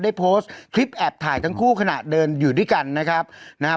ได้โพสต์คลิปแอบถ่ายทั้งคู่ขณะเดินอยู่ด้วยกันนะครับนะครับ